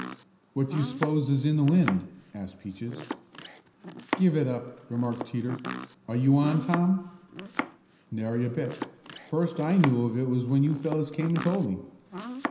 "What do you s'pose is in the wind?" asked Peaches. "Give it up," remarked Teeter. "Are you on, Tom?" "Nary a bit. First I knew of it was when you fellows came and told me."